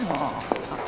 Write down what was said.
あっ。